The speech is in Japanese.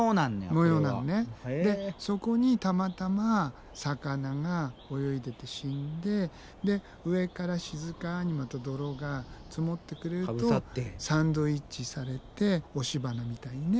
そこにたまたま魚が泳いでて死んでで上から静かにまた泥が積もってくれるとサンドイッチされて押し花みたいにね